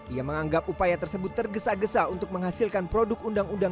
ia menganggap upaya tersebut tergesa gesa untuk menghasilkan produk undang undang